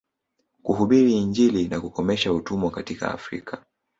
Kuhubiri injili na kukomesha utumwa katika Afrika